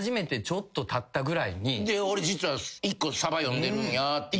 「俺実は１個さば読んでるんや」って言って。